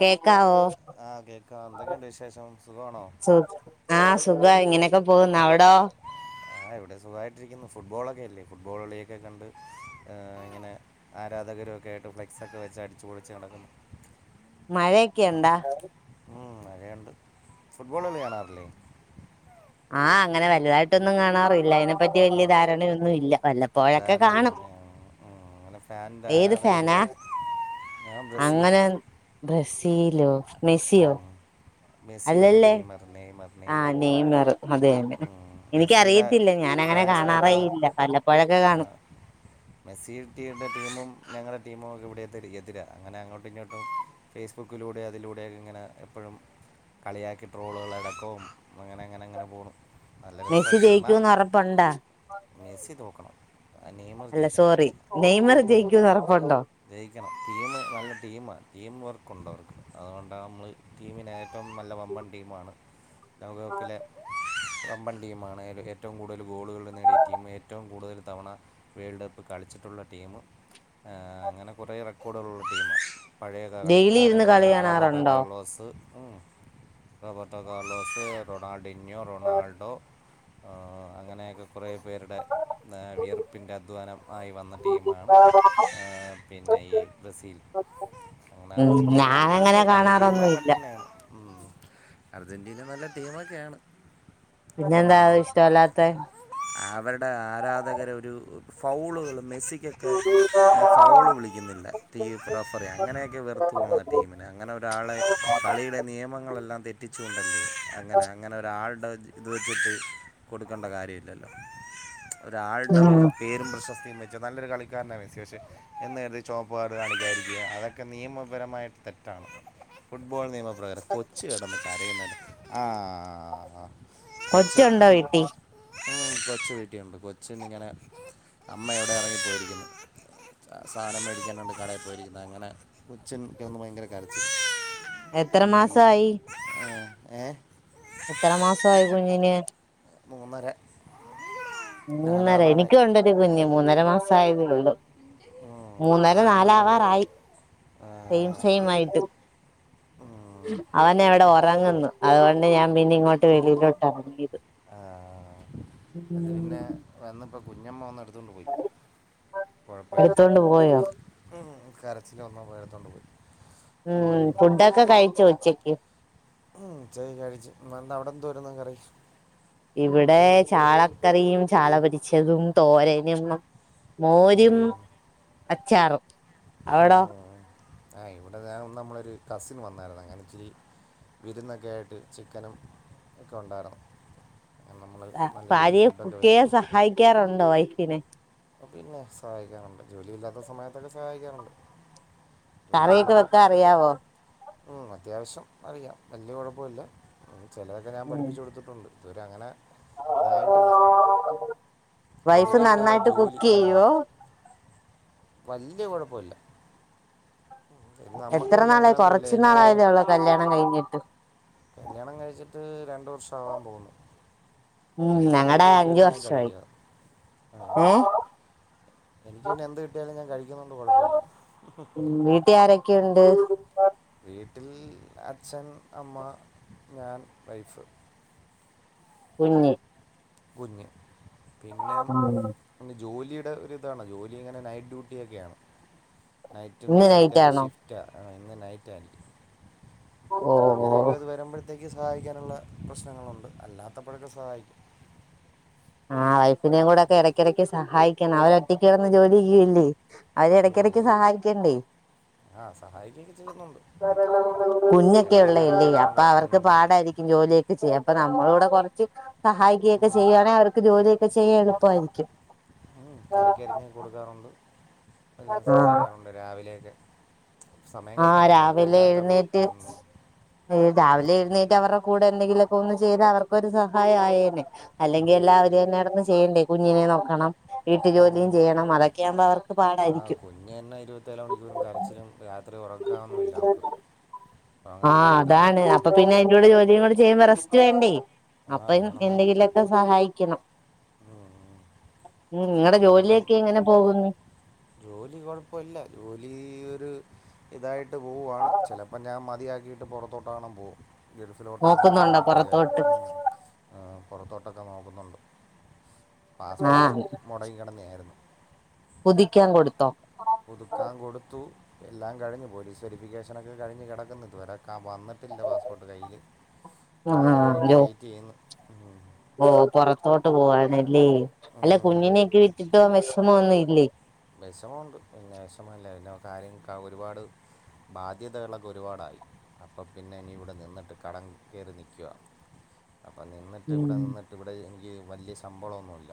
കേക്കാവോ ആ കേൾക്കാം എന്തൊക്കെയുണ്ട് വിശേഷം സുഖമാണോ ആ സുഖ ഇങ്ങനെയൊക്കെ പോകുന്നു അവടോ ആ ഇവിടെ സുഖമായിട്ടിരിക്കുന്നു ഫുട്ബോളൊക്കെ അല്ലേ ഫുട്ബോൾ കളിയൊക്കെ കണ്ട് ഇങ്ങനെ ആരാധകരും ഒക്കെ ആയിട്ട് ഫ്ലെക്സൊക്കെ വെച്ച് അടിച്ചുപൊളിച്ച് നടക്കുന്നു മഴയൊക്കെയെണ്ടാ? ഉം മഴയൊണ്ട് ഫുട്ബോള് കളി കാണാറില്ലേ? ആഹ് അങ്ങനെ വലുതായിട്ടൊന്നും കാണാറില്ല, അതിനെപ്പറ്റി വലിയ ധാരണയൊന്നും ഇല്ല. വല്ലപ്പോഴൊക്കെ ധാരണയൊന്നു കാണും ഉം അങ്ങനെ ഫാൻന്റെ ഏത് ഫാനാ ആരാധനയൊന്നുല്ല ഞാൻ ബ്രസീൽ അങ്ങനെ ബ്രസീലോ മെസ്സിയോ മെസി അല്ല അല്ലല്ലേ നെയ്മർ നെയ്മർ നെയ്മർ [unintelligible] ഉം, മെസ്സിയുടെ എനിക്കറിയത്തില്ല ഞാനങ്ങനെ ഫാൻസുമായിട്ട് ഇവിടെ കാണാറേയില്ല വല്ലപ്പോഴൊക്കെ ആ, കാണും ടീമൊക്കെ [unintelligible] അങ്ങനെ അങ്ങോട്ടും ഇങ്ങോട്ടും ഫേസ്ബുക്കിലൂടെ അതിലൂടൊക്കെ ഇങ്ങനെ എപ്പഴും കളിയാക്കി ട്രോളുകളടക്കവും അങ്ങനെ അങ്ങനെ അങ്ങനെ പോണ് മെസ്സി ജയിക്കൂന്ന് ഒറപ്പുണ്ടോ മെസ്സി തോക്കണം ആ നീമർ അല്ല ജയിക്കണം സോറി നെയ്മർ ജയിക്കൂന്ന് ഉറപ്പുണ്ടോ ജയിക്കണം ടീം നല്ല ടീമാണ് ടീം വർക്കുണ്ട്വർക്ക് അതുകൊണ്ട നമ്മള് ടീമന്േഏറ്റവും നല്ല പമ്പൻ ടീമാണ് ലൗകകപ്പിലെ കമ്പ ടീ ആണൊലും ഏറ്റവും കൂടുതൽ ഗോളുകൾ നേടിട്ട് ടീം ഏറ്റവും കൂടുതൽ തവണ വേൾഡ് കപ്പ് കളിച്ചിട്ടുള്ള ടീം അങ്ങനെ കുറേ റ കുടൽട്യമ പഴയ ഡെയിലി ഇരുന്ന് കളി കകളിക്കാരന്മാർ റോബർട്ടോ കാണാറുണ്ടോ കാർലോസ് രപത്തക്കാല വെ ൊണൾഡോ ഡിഞ്ഞോ റൊണാൾഡോ അങ്ങനെയൊക്കെ കുറേ പേരുടെ വിയർപ്പിൻ്റെ അധ്വാനം ആയി വന്ന ടീമാണ് പിന്നെ ഈ ബ്രസീൽ അങ്ങനെ ഉം അർജൻറീനയും ഉണ്ട് ഞാനങ്ങനെ നല്ല ടീമൊക്കെ കാണാറൊന്നുമില്ല തന്നെയാണ് അർജന്റീന നല്ല ടീമൊക്കെയാണ് പിന്നെന്താ ഉം. ഇഷ്ടമല്ലാത്ത ആരാധകര ഒരു ഫൗളുകളും മെസ്സിക്കൊക്കെ ഫൗള് വിളിക്കുന്നില്ല ീ പ്രഫർ അങ്ങനെയൊക്കെ വെർത്തു പോോക ആ ടീമിനെ അങ്ങനെ ഒരാളെ കളിയുടെ നിയമങ്ങളെല്ലാം തെറ്റിച്ചുക കൊണ്ടല്ലേ അങ്ങനെ അങ്ങനെ ഒരാളുടെ ഇത് വെച്ചിട്ട് കൊടുക്കേണ്ട കാര്യമില്ലല്ലോ ഒരാളുടെ ഉം പേരും പ്രശസ്തി ീെച്ച നല്ലൊരു കളിക്കാരനാണ് മെസ്സി പക്ഷെ എന്ന് കരുതി ചുവപ്പ്ുകാരു കാണ വിചാരിക്കുക അതൊക്കെ നിയമപരമായിട്ട് തെറ്റാണ് ഫുട്ബോൾ നിയമപ്രകാരം കൊച്ച് കേടക്കെ അറിയുന്നത്ുന്നത് ആ കൊച്ചുണ്ടോ വീട്ടി ഉ്മ കൊച്ചു വീട്ടിയുണ്ട് കൊച്ചൻ ഇങ്ങനെ അമ്മ എവിടെ ഇറങ്ങിപ്പോയിരിക്കുന്നു സാധനം മേടിക്കാനുണ്ട് കടയിൽ പോയിരിക്കുന്നു അങ്ങനെ കൊച്ചൻക്ക ഒന്ന് ഭയങ്കര കരച്ച് എത്ര മാസമായി ഏ എത്ര മാസായി കുഞ്ഞിന് മൂന്നര മൂന്നര നാലാവാറായി എനിക്ക് ഉണ്ടൊരു കുഞ്ഞ് മൂന്നര മാസയതേ ഉള്ളു മൂന്നര ഇപ്പം നാല സെയിമാണല്ലോ ആവാറയി സെയിം സെയിം ആയിട്ട് അവന വിടെ ഉറങ്ങുന്നു അതുകൊണ്ട ഞാൻ പിന്നെ ഇങ്ങോട്ട് വെളിയിലോട്ട് ഇറങ്ങി ആഹ അത് പിന്നെ വന്നപ്പോ കുഞ്ഞമ്മ വന്നു എടുത്ത് എടുത്തോണ്ട് പോയി കുഴപ്പമില്ല എടുത്തോണ്ട് പോയോ കരച്ചില് വന്നപ്പോൾ എടുത്തോണ്ട് പോയി ഉം ഫുഡൊക്കെ കഴിച്ചോ ഉച്ചക്ക് ഉം ഉം ഉച്ചക്ക് കഴിച്ചു അവിടെ എന്തുവായിരുന്നു കറി ഇവിടെ ചാളക്കറിയും ചാള പൊരി ച്ചതും തോരനും മോരും അച്ചാറും ആ അവിടോ ആ ഇവിടെ ഞാൻ നമ്മളൊരു കസിന് വന്നായിരുന്നു അങ്ങനെ ഇച്ചിരി വിരുന്നൊക്കെ ആയിട്ട് ചിക്കനും ഒക്കെ ഉണ്ടായിരുന്നു നമ്മൾ നല്ല രീതിയിൽ ഭാര്യയെ ഫുഡൊക്കെ കുക്ക് വെച്ച് ചെയ്യാൻ സഹായിക്കാറുണ്ടോ വൈഫിനെ പിന്നെ സഹായിക്കാറുണ്ട് ജോലി ഇല്ലാത്ത സമയതൊക്കെ സഹായിക്കാറുണ്ട് കറിയൊക്കെ ജോലിയുള്ളപ്പോൾ വെക്കാൻ അറിയാവോ ഉം, അത്യാവശ്യം അറിയാം വലിയ കുഴപ്പമില്ല ചിലതൊക്കെ ഞാൻ പഠിപ്പിച്ചു കൊടുത്തിട്ട് ഉണ്ട് ഇവരങ്ങനെ ഇതായിട്ടില്ല വൈഫ് എനിക്ക് പിന്നില്ല നന്നായിട്ട് കുക്ക് ചെയ്യുവോ വല്ലിയ കുഴപ്പില്ല എത്ര നാളായി കൊറച്ചു എനിക്ക് പിന്നെ നാളായതോ ഉള്ളോ കല്യാണം കഴിഞ്ഞിട്ട് കല്യാണം കഴിച്ചിട്ട് രണ്ട് വർഷം ആവാൻ പോകുന്നു ഉം എനിക്ക് പിന്നെ എന്ത് ഞങ്ങളടെ അഞ്ചു കിട്ടിയാലും ഞാൻ വർഷമായി കഴിക്കുക ആ ഏ എനിക്ക് പിന്നെ എന്ത് കിട്ടിയാലും ഞാൻ കഴിക്കുന്ന കൊണ്ട് കൊഴപ്പമില്ല വീട്ടിൽ ആരൊക്കെയുണ്ട് വീട്ടിൽ അച്ഛൻ അമ്മ ഞാൻ വൈഫ് കുഞ്ഞി കുഞ് പിന്നെ ജോലിയ ഒരു ഇതാണ് ജോലി ഇങ്ങനെ നൈറ്റ് ഡ്യൂട്ടിയൊക്കെയാണ് നൈറ്റും ഇന്ന് സെക്കൻഡ് നൈറ്റാണോ ഷിഫ്റ്റാണ് ആ ഇന്ന് നെറ്റാണ് ഓ അങ്ങനെയൊക്കെ അത് വരുമ്പഴ ത്തേക്ക് സഹായിക്കാനുള്ള പ്രശ്നങ്ങളുണ്ട് അല്ലാത്തപ്പോഴൊക്കെ സഹായിക്കും ആ വൈഫിനേയും കൂടെക്കെ ഇടയ്ക്കിടയ്ക്ക് സഹായിക്കണം അവര് ഒറ്റക്ക് കിടന്ന് ജോലി ചെയ്യുകയ അല്ലേ അവര് ഇടക്കിടക്ക് ഉം. സഹായിക്കണ്ടേ ആ സഹായിക്കുകയൊക്കെ ചെയ്യുന്നുണ്ട് കുഞ്ഞൊക്കെ ഇടയ്ക്ക് കറക്കി ഉള്ളല്ലേ അരിഞ്ഞു അപ്പൊ അവർക്ക് കൊടുക്കും പാടായിരിക്കും ജോലിയൊക്കെ ചെയ്യാം അപ്പൊ നമ്മള കൂടെ കൊറച്ച് [unintelligible] സഹായിക്കുകൊക്കെ ചെയ്യുവാണങ്കിൽ അവ ജോലിയൊക്കെ ചെയ്യും എളുപ്പയിരിക്കും കറക്കി അരിഞ്ഞ് കൊടുക്കാറുണ്ട് എല്ലാം സഹായിക്കാറുണ്ട് രാവിലെയൊക്കെ സമയം ആഹ് കിട്ടുമ്പോൾ നൈറ്റ് രാവിലെ അല്ലാത്തപ്പോൾ എഴുന്നേറ്റ് ഉം. രാവിലെ എഴുന്നേറ്റ് അവരുടെ കൂടെ എന്തെങ്കിലൊക്കെ ഒന്ന് ചെയ്ത് അവർക്കൊരു സഹായമായേന്നെ അല്ലെങ്കിൽ ഉം. എല്ലാവരും തന്നെടന്ന് ചെയ്യണ്ടേ കുഞ്ഞിനെ നോക്കണം വീട്ടു ഉം ജോലിയും ചെയ്യണം അതൊക്കെ ആകുമ്പോ അവർക്ക് ആ പാടായിരിക്കും കുഞ്ഞു തന്നെ ഇരുപത്തിനാൽ മണിക്കൂറും കരച്ചിലും രാത്രി ഉറ ക്കാവുന്നില്ല ഓൾക് ആഹ് അതാണ് അപ്പൊ പിന്നെ അതിന്റെ കൂടെ ജോലിയും കൂടെ ചെയ്യുമ്പോ റസ് വേണ്ടേ ആ അപ്പ വേണം വേണം എന്തെങ്കിലുമൊക്കെ സഹായിക്കണം ഉം. മ് ഉം നിങ്ങളടെ ഇവിടെ ജോലിയൊക്കെ പിന്നെ എങ്ങനെ പോകുന്നു ജോലി കൊഴപ്പല്ല ജോലി ഒരു ഇതായിട്ട് ട്ട് പോവാണ് ചിലപ്പോ ഞാൻ മ മതിയാക്കിയിട്ട് പുറത്തോട്ടാണം പോവും ഗൾഫിലോട്ടോണം നോക്കുന്നുണ്ടോ പോണന്നൊക്കെ പുറത്തോട്ട് വിചാരിക്കുന്നു ഉം ആ പുറത്തോട്ടൊക്കെ നോക്കുന്നുണ്ട് പാസ്പോർട്ട് മുടങ്ങി കിടന്നായിരുന്നു പുതിക്കാൻ കൊടുത്തോ പുതുക്കാൻ കൊടുത്തു എല്ലാം കഴിഞ്ഞു പോലീസ് വെരിഫിക്കേഷനൊക്കെ കഴിഞ് കിടക്കുന്ന് ഇതുവരാ വന്നിട്ടില്ല പാസ്പോർട്ട് കയ്യിൽ അങ്ങനെ ആ അതിനായിട്ട് ജോ വെയിറ്റ് ചെയ്യുന്നു ഉം. ഓ പൊറത്തോട്ട് പോവാന ല്ലേ, അല്ല ഉം. കുഞ്ഞിനെയൊക്കെ വിട്ടിട്ട് പോവാൻ വിഷമൊന്നുമി ല്ലേ? വിഷമമുണ്ട് പിന്നെ വിഷമമില്ല പിന്നെ കാര്യം ക്കാ ഒരുപാട് ബാധ്യതകളൊക്കെ ഒരുപാടായി. അപ്പം പിന്നെ ഇനി ഇവിടെ നിന്നിട്ട് കടം കേറി നിക്കുവാ അപ്പം നിന്നിട്ട് ഇവിടെ ഉം നിന്നിട്ട് ഇവിടെ എനിക്ക് വലിയ ശമ്പളമൊന്നുമില്ല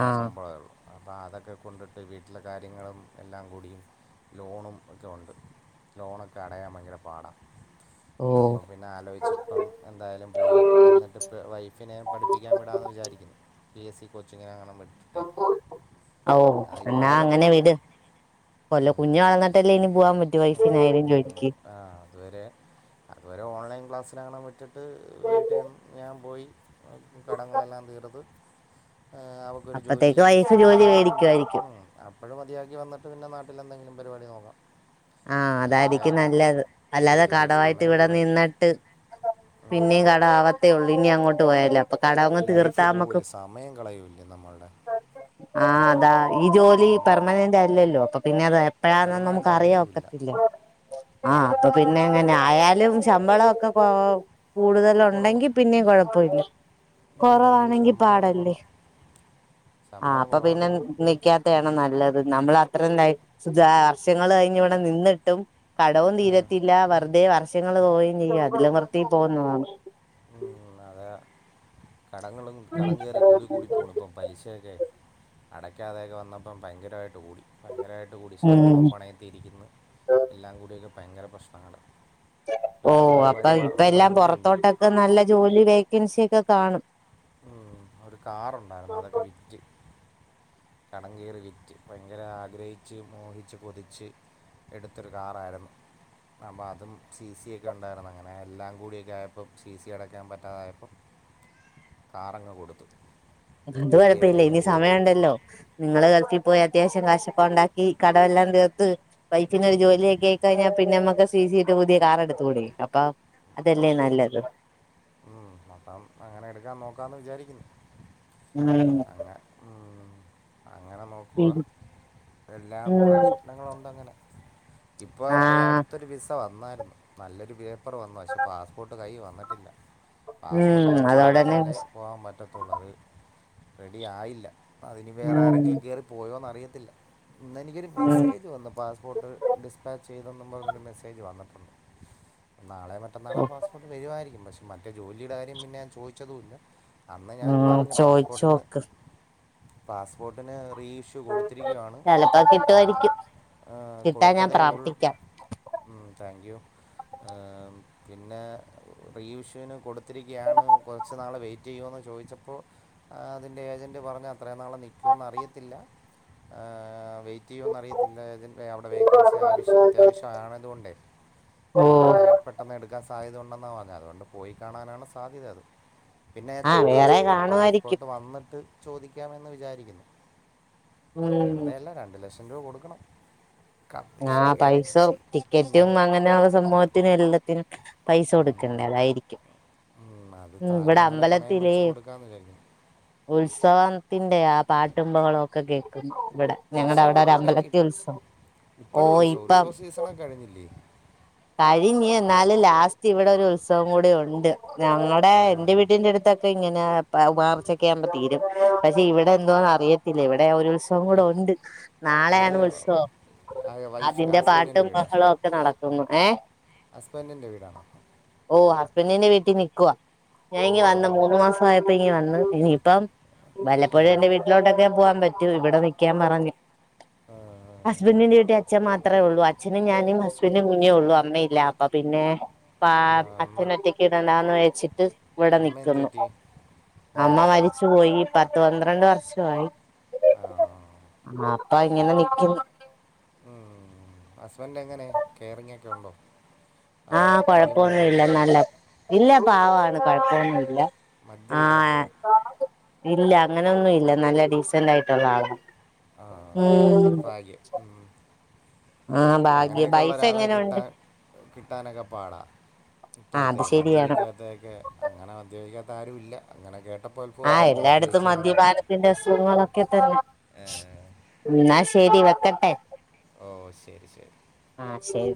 ആ ശമ്പളമേ ഉള്ളൂ അപ്പ അതൊക്കെ കൊണ്ടിട്ട് വീട്ടിലെ കാര്യങ്ങളും എല്ലാം കൂടിയും, ലോണും ഒക്കെ ഉണ്ട് ലോണൊക്കെ അടയാൻ ഭയങ്കര പാടാ. ഓ അപ്പം പിന്നെ ആലോചിച്ചപ്പം എന്തായാലും പോയി നിന്നിട്ട് വൈഫിനെ പഠിപ്പിക്കാൻ വിടാന്ന് വിചാരിക്കുന്നു. പി എസ് സി കോച്ചിങ്ങങ്ങാണം [inaudible] ഓ എന്നാ ഇപ്പോഴേ അങ്ങനെ പറ്റത്തില്ല വിട്. അല്ല, ഉം, കുഞ്ഞ് കൊ- വളർന്നിട്ടല്ലേ ഇനി പോവാൻ പറ്റൂ ഉം, വൈഫിനായാലും ഉം. ജോലിക്ക്. ആ [unintelligible] വിട്ട് ട്ട് വീട്ടീന്ന് ഞാൻ പോയി കടങ്ങളെല്ലാം തീർത്ത് ഏഹ്, അവക്കൊരു ജോലി അപ്പത്തേക്ക് വൈഫ് ജോലി ലിസ്റ്റില്ലങ്ങാണം വരം മേടിക്കുവായിരിക്കും ഉം, അപ്പഴും മതിയാക്കി വന്നിട്ട് പിന്നെ നാട്ടിലെന്തെങ്കിലും പരിപാടി നോക്കാം ആ അങ്ങനെ അതായിരിക്കും വിചാരിക്കുന്നു നല്ലത് അത് അല്ലാതെ നല്ല കടവായിട്ട് സമയം ഇവിടെ കളയും നിന്നിട്ട് പിന്നേം ഉം. കടം ആവത്തേ ഉള്ളു ഇനി അങ്ങോട്ട് വിട്ട്പോയാലോ ഇപ്പൊ കടങ്ങ് ലൈഫ് തീർത്താ ഞമ്മക്ക് പോവില്ല സമയം കളയൂല്ലേ നമ്മളുടെ [inaudible] ആഹ് അതാ ഈ ജോലി നമ്മൾ പെർമനന്റ് അല്ലല്ലോ അ പിന്നെ അത് എപ്പഴാന്ന നമുക്ക് പെർമനൻ്റ് അറിയോ? ആയിട്ടുമില്ല ഒക്കത്തില്ല. ആ അപ്പ പിന്നെ അങ്ങനായാൽ ല്ലേലും ശമ്പളക്കെ കൊ കുറവ് കൂടുതലുണ്ടെങ്കി പിന്നെയും കുഴപ്പമില്ല ഉം, കുറവാണെങ്കി ശമ്പളം പാടല്ലേ കുറവാ ആ ശമ്പളം അപ്പൊ കുറവാ പിന്നെ നിക്കാത്തെയാണ് നല്ലത് നമ്മൾ അത്ര [unintelligible] വർഷങ്ങൾ കഴിഞ്ഞ് ഇവി നിന്നിട്ടും കടവും തീരത്തില്ല വെറുതെ വർ ഷങ്ങൾ പോകയും ചെയ്യും അതിലും നിർത്തി പോകന്നതാണ് ഉം, അതെ കടങ്ങളും കടം കേറി കൂടി കൂടി പോണുപ്പം പലിശയൊക്കെ അടയ്ക്കാതെയൊക്കെ വന്നപ്പം ഭയങ്കരമായിട്ട് കൂടി ഭയങ്കരമായിട്ട് കൂടി. ഉം സ്വർണം പണയത്തിൽ ഇരിക്കുന്നു എല്ലാം കൂടിയ ഭയങ്കര പ്രശ്നങ്ങ ഓ അപ്പൊ ഇപ്പ എല്ലാം ഉണ്ടായിരുന്നു പുറത്തോട്ടൊക്കെ നല്ല ജോലി വേക്കൻസി ഒക്കെ കാണും ഉ ഒരു കാറുണ്ടായിരുന്നു അതൊക്കെ വിറ്റ് കടം കയറി വിറ്റ് ഭയങ്കര ആഗ്രഹിച്ചച്ച് മോഹിച്ച് കൊതിച്ച് എടുത്തൊരു കാറായിരുന്നു അപ്പം അതും സി സി ഒക്കെ ഉണ്ടായിരുന്നു അങ്ങനെ എല്ലാം കൂടിയൊക്കെ ആയപ്പം സി സി അടക്കാൻ പറ്റാതായപ്പം കാറങ്ങ് കൊടുത്തു അന്ത് കിട്ടിയ കൊഴപ്പ ഇില്ല ഇനി വിലയ്ക്കും കൊടുത്തു സമയമ ഉണ്ടല്ലോ നിങ്ങള്ൾ കളത്തി പോയി അത്യാവശ്യം കഷക്കെ ഉണ്ടാക്കി കടവെല്ലാം തീർത്ത് വൈഫിിന ഒരു ജോലിയൊക്കെ ആയിക്കഴിഞ്ഞാൽ പിന്നെ നമ്മുക്ക് സി സിട്ട് പുതിയ കാർ എടുത്തുകൂടി അപ്പൊ അതല്ലേ നല്ലത് ഉം മത്തം അങ്ങനെ എടുക്കാൻ നോക്കാന്ന് വിചാരിക്കുന്നു ഉം അങ്ങനെ അങ്ങനെ നോക്കുവ ഉം എല്ലാം കുറേ സ്വപ്നങ്ങളുണ്ട്ങ്ങനെ ഇപ്പൊ ഒരു ആഹ് അടുത്തൊരു ബിസ് ക്കെ വന്നായിരുന്നു നല്ലൊരു ബി പ്പറ് വന്നു പാസ്പോർട്ട് കൈവ ന്ന്ട്ടില്ല പാസ്പോർട്ട് ഉം അയച്ച അതോടന്നെ കൊടുത്താലെ പോവാൻ പറ്റ ട്ടത്തൊള്ളത് റെഡിയായില്ല അതിനി വേറെ ഉം ആരെങ്കിലും കേറി പോയോന്ന്റിയ ത്തില്ല ഇന്ന് എനിക്കൊരു ഉം മെസേജ് വന്ന് പാസ്പോർട്ട് ഡിസ്പാ ചെയ്തെന്ന് പറഞ്ഞൊരു മെസ്സേജ് വന്നിട്ടുണ്ട് നാളെ മറ്റന്നാളോ പാസ്പോട്ട് വരുമായിരിക്കും മ മറ്റേ ജോലിയുടെ കാര്യം പിന്നെ ഞാൻ ചോദിച്ചതുമില്ല. അന്ന് ഞാൻ ഉം പറഞ്ഞു പാസ്പോർട്ടിന് ചോയിച്ചോക്ക് പാസ്പോർട്ടിന് റീ ഇഷ്യൂ കൊടുത്തിരിക്കയാണ് ചെലപ്പോ കിട്ടുവായിരിക്കും കിട്ടാൻ ഞാൻ കൊടുത്തതേ ഉൾ പ്രാർത്ഥിക്കാം താങ്ക് യൂ. പിന്നെ റീഇഷൃ വിന് കൊടുത്തിരിക്കുകയാണ് കുറച്ച് നാൾ വെയിറ്റ് ചെയ്യുമന്ന് ചോദിച്ചപ്പോൾ അതിൻ്റെ ഏജൻറ് പറഞ്ഞത് അത്രയും നാള് നിൽക്കുമോ എന്ന് അറിയത്തില്ല. വെയിറ്റ് ചെയ്യുമോ എന്ന അറിയത്തില്ല ഏജൻറ്റ് അവിടെ വേക്കൻസി ആവശ്യ അത്യാവശ്യമാണതുകൊണ്ട് ഓ ആളെ പെട്ടെന്ന് എടുക്കാൻ സാധ്യതണ്ടെന്നാണ് പറഞ്ഞത് അതുകൊണ്ട് പോയിക്കാണാനാണ് സാധ്യത അത് പിന്നെ ഞാൻ ആഹ് വേറെ ചോദിച്ചില്ല ഇനി കാണുവായിരിക്കും പാസ്പോർട്ട് വന്നിട്ട് ചോദിക്കാമെന്ന് വിചാരിക്കുന്നു ഉം വെറുതെ അല്ല രണ്ടു ലക്ഷം രൂപ കൊടുക്കണം കമ്മീഷൻ ആ് ഏജൻസി പൈസാവുംടിക്കറ്റും അങ്ങനെള്ള സംഭവത്തിനുഎല്ലാത്തിനും പൈസ കൊടുക്കണ്ടേ അതായിരിക്കും അത് ഉംഇവിടെ താലിമാല പണയം അമ്പലത്തിലേ വെച്ച് കൊടുക്കാമെന്ന് വിചാരിക്കുന്നു ഉത്സവത്തിന്റെആ. [unintelligible] ഇവിടെ ഞങ്ങടെ അവിടെ ഒരു അമ്പലത്തി ഉത്സവം ഓ ഇപ്പോഴും ഒരു ഉത്സവോ ഉത്സവ സീസണൊക്കെ കഴിഞ്ഞില്ലേ കഴിഞ്ഞു എന്നാല് ലാസ്റ്റ് ഇവിടെ ഒരു ഉത്സവം കൂടി ഉണ്ട് ഞമ്മടെ ആ എൻന്റെ വീട്ടിന്റെ അടുത്തൊെ ഇങ്ങനെ മാർച്ചൊക്കെ ആവുമ്പോ തീരും പക്ഷെ ഇവിടെ എന്തോന്ന് അറിയത്തില്ല ഇവിടെ ഒരു ഉത്സവം കൂടെ എ- ഉണ്ട് അത് നാളെയാണ് ഉത്സവം ആ വൈഫ് അതിന്റെ പാട്ടും ഹസ്ബൻഡിൻ്റെ ബഹളും ഒക്കെ നടക്കുന്നു ഏ ഹസ്ബൻഡിന്റെ വീടാണോ ഓ ഹസ്ബൻറിിന്റെ വീട്ടിൽ നിൽക്കുവ ഞാൻ ഇ വന്ന ഉം. മൂന്ന് മാസ ആയപ്പോ ഇനിി വന്ന് ഇനിയിപ്പം വല്ലപ്പോഴും ഉം. എന്റെ വീട്ടിലോട്ടൊക്കെ പോ പറ്റു ഇവിടെ നീക്കാൻ പറഞ്ഞു ആ, ഹുസ്ബൻഡ് ന്റെ വീട്ടിൽ അച്ഛൻ മാത്രം ഒള്ളു അത്രേള്ളൂ അച്ഛനും ഞാനും ഹസ്ബൻഡും വി ഞ്ഞേയുള്ളൂ അമ്മയില്ലപ്പ പിന്നെ പ ആ, അമ്മ അച്ചനെ ഒറ്റക്ക് ഇടണ്ടാന്ന് വെച്ചിട്ട് ഇവിടെ അമ്മ എന്ത് നിക്കുന്നു പറ്റി അമ്മ മരിച്ചു പോയി പത്ത് പന്ത്രണ്ട് വർഷം അയി ആ ആ അപ്പ ഇങ്ങനെ നീക്കും ഉ ഹസ്ബൻറ് എങ്ങനെ കെയറിങ്ങ ഒക്കെ ഉണ്ടോ അതോ ആഹ അടിയും കൊഴപ്പൊന്നും ഇല്ല വഴക്കൊക്കെയാണോ നല്ല ഇല്ല പാവ കുഴപ്പമൊന്നുമ ഇില്ല മദ്യപിക്കാറുണ്ടോ ഇല്ല അങ്ങനെയൊന്നും ഇല്ല നല്ല ഡീസന്റ് ആയിട്ടുള്ള ആളാ ആ ഉം ആഹ് ഭാഗ്യ അങ്ങനെയൊക്കെയുള്ള വൈഫ് ഒരാളെ എങ്ങനെ ഉണ്ട് കിട്ടാൻ കിട്ടാനൊക്കെ പാടാ ആ അത് ഇപ്പഴാത്തേക്ക് ശരിയാണ് മദ്യപിക്കാത്തേക്കെ അങ്ങനെ മദ്യപിക്കാ ആരുമില്ല അങ്ങനെ കേട്ട ആഹ് എല്ലായിടത്തും മദ്യപാനത്തിന്റെ അസുഖങ്ങളൊക്കെ തന്നെ. ഏ, എന്നാ ശരി വെക്കട്ടെ ഓഹ് ശെരി ശെരി ആ ശരി